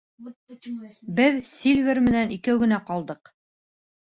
Беҙ Сильвер менән икәү генә ҡалдыҡ.